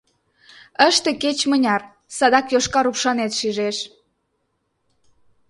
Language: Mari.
— Ыште, кеч-мыняр... садак йошкар упшанет шижеш.